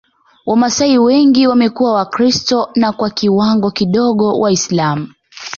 Wamasai wengi wamekuwa Wakristo na kwa kiwango kidogo Waislamu